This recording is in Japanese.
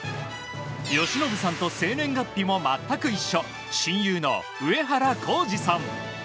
由伸さんと生年月日も全く一緒親友の上原浩治さん。